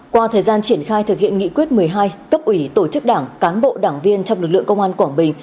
qua thời gian triển khai thực hiện nghị quyết một mươi hai cấp ủy tổ chức đảng cán bộ đảng viên trong lực lượng công an quảng bình